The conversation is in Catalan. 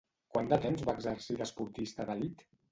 Quant de temps va exercir d'esportista d'elit?